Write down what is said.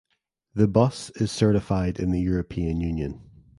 The bus is certified in the European Union.